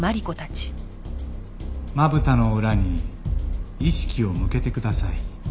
まぶたの裏に意識を向けてください。